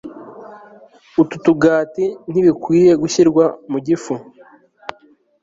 utu tugati ntibikwiriye gushyirwa mu gifu